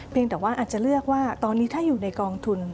แต่ว่าอาจจะเลือกว่าตอนนี้ถ้าอยู่ในกองทุน